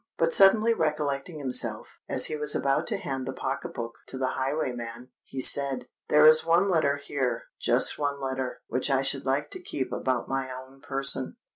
But suddenly recollecting himself, as he was about to hand the pocket book to the highwayman, he said, "There is one letter here—just one letter—which I should like to keep about my own person."